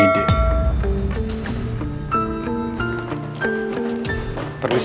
kami disuruh cek ruangan it